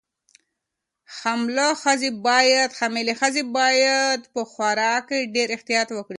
حامله ښځې باید په خوراک کې ډېر احتیاط وکړي.